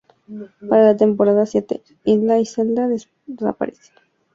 Para la temporada siete, Hilda y Zelda desaparecen.